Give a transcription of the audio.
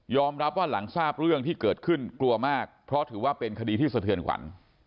รับว่าหลังทราบเรื่องที่เกิดขึ้นกลัวมากเพราะถือว่าเป็นคดีที่สะเทือนขวัญ